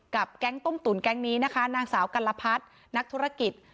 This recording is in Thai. แก๊งต้มตุ๋นแก๊งนี้นะคะนางสาวกัลพัฒน์นักธุรกิจ